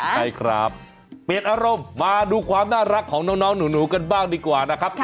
ใช่ครับเปลี่ยนอารมณ์มาดูความน่ารักของน้องหนูกันบ้างดีกว่านะครับ